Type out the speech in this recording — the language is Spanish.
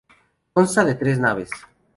Consta de tres naves.